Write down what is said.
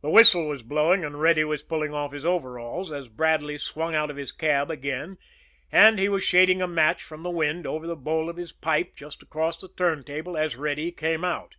The whistle was blowing and Reddy was pulling off his overalls, as Bradley swung out of his cab again; and he was shading a match from the wind over the bowl of his pipe just across the turntable, as Reddy came out.